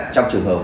trong trường hợp